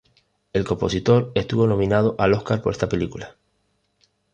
El compositor estuvo nominado al Óscar por esta película.